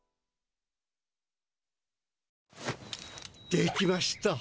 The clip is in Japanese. できました。